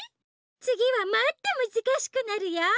つぎはもっとむずかしくなるよ。